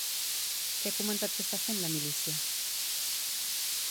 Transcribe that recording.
Què ha comentat que està fent la milícia?